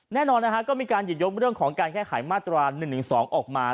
แน่นอนก็มีการหยิบยกเรื่องของการแก้ไขมาตรา๑๑๒ออกมา